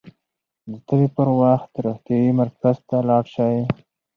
د تبې پر وخت روغتيايي مرکز ته لاړ شئ.